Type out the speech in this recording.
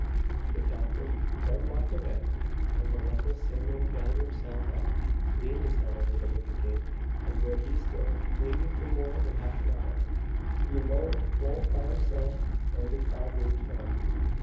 The Captain then walked away; and the luckless Samuel gathered himself up, leaned his head over the wicket gate, and there he stood bleeding for more than half an hour, bemoaned both by himself and his bob wigg'd friend.